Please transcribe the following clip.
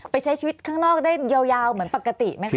ใช้ชีวิตข้างนอกได้ยาวเหมือนปกติไหมคะ